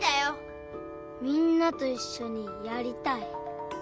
みんなといっしょにやりたい。